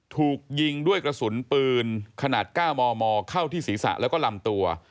ถูกยิงด้วยกระสุนปืนขนาด๙มมเข้าที่ศีรษะแล้วก็ลำตัว